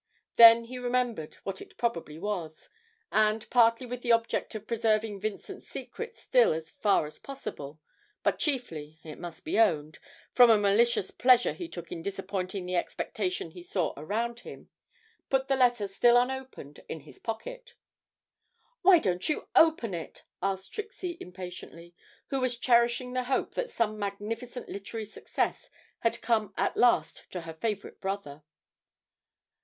Then he remembered what it probably was, and, partly with the object of preserving Vincent's secret still as far as possible, but chiefly, it must be owned, from a malicious pleasure he took in disappointing the expectation he saw around him, put the letter still unopened in his pocket. 'Why don't you open it?' asked Trixie impatiently, who was cherishing the hope that some magnificent literary success had come at last to her favourite brother.